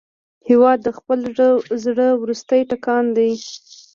هېواد د خپل زړه وروستی ټکان دی.